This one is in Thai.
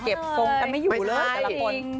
เก็บทรงกันไม่อยู่เลย